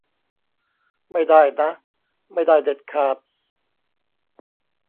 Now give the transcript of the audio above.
ไม่ได้นะ ไม่ได้เด็ดขาด